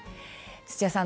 土屋さん